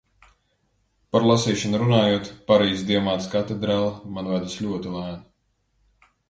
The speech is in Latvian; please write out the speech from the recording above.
Par lasīšanu runājot, "Parīzes Dievmātes katedrāle" man vedas ļoti lēni.